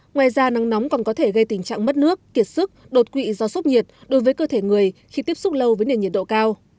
ngoài ra nắng nóng còn có thể gây tình trạng mất nước kiệt sức đột quỵ do sốc nhiệt đối với cơ thể người khi tiếp xúc lâu với nền nhiệt độ cao